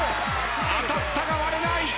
当たったが割れない！